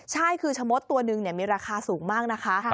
ใช่คือชะมดตัวหนึ่งมีราคาสูงมากนะคะ